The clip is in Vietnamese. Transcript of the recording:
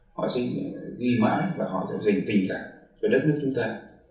họ sẽ ghi mãi và họ sẽ dành tình cảm về đất nước chúng ta